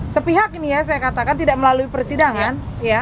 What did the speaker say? sepihak ini ya saya katakan tidak melalui persidangan